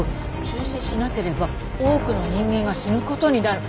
「中止しなければ多くの人間が死ぬことになる」